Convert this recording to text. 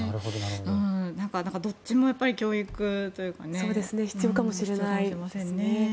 どっちも教育というか必要かもしれませんね。